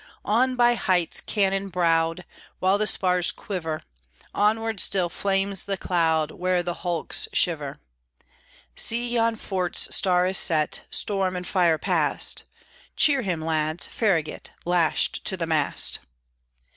On by heights cannon browed, While the spars quiver; Onward still flames the cloud Where the hulks shiver. See, yon fort's star is set, Storm and fire past. Cheer him, lads Farragut, Lashed to the mast!